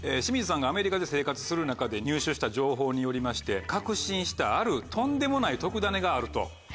清水さんがアメリカで生活する中で入手した情報によりまして確信したあるとんでもない特ダネがあると。